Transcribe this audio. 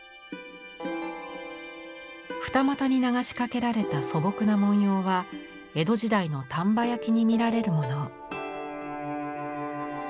二股に流しかけられた素朴な文様は江戸時代の丹波焼に見られるもの。